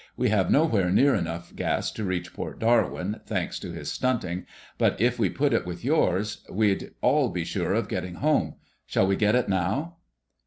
We have nowhere near enough gas to reach Port Darwin, thanks to his stunting, but if we put it with yours, we'd all be sure of getting home. Shall we get it now?"